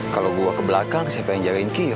kalau gua ke belakang siapa yang jagain kios